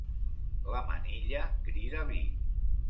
La manilla crida vi.